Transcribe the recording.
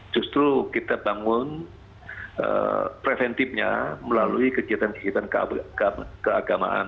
justru kita bangun preventifnya melalui kegiatan kegiatan keagamaan